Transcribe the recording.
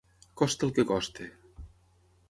Costi el que costi.